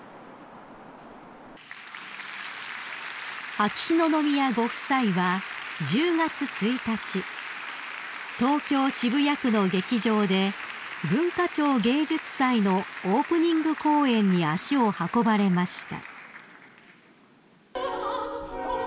［秋篠宮ご夫妻は１０月１日東京渋谷区の劇場で文化庁芸術祭のオープニング公演に足を運ばれました］